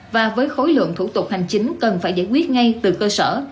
và với khối lượng thủ tục hành chính cần phải giải quyết ngay từ cơ sở